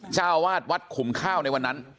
เจ้าวาดวัดขุมข้าวในวันนั้น